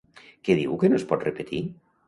Què diu que no es pot repetir?